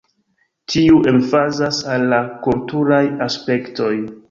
Tiu emfazas al la kulturaj aspektoj.